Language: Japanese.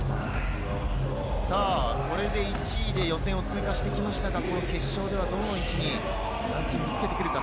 これで１位で予選を通過してきましたが、決勝ではどの位置にランキングつけるか。